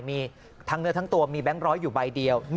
มีทั้งเนื้อทั้งตัวมีแบงค์ร้อยอยู่ใบเดียว